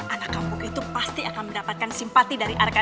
anak kambuk itu pasti akan mendapatkan simpati dari arka